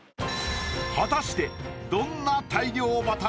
果たして。